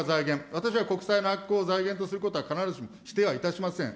私は国債の発行を財源とすることは、必ずしも否定はいたしません。